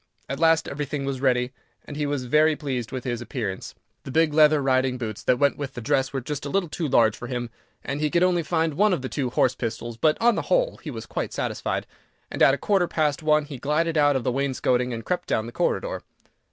At last everything was ready, and he was very pleased with his appearance. The big leather riding boots that went with the dress were just a little too large for him, and he could only find one of the two horse pistols, but, on the whole, he was quite satisfied, and at a quarter past one he glided out of the wainscoting and crept down the corridor.